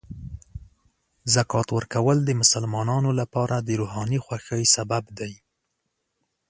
زکات ورکول د مسلمانانو لپاره د روحاني خوښۍ سبب دی.